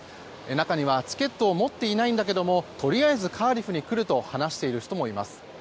中には、チケットを持っていないんだけどもとりあえずカーディフに来ると話している人もいます。